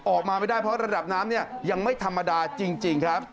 ออกมาไม่ได้เพราะระดับน้ำเนี่ยยังไม่ธรรมดาจริงครับ